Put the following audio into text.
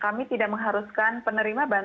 kami tidak mengharuskan penerimaan pendidikan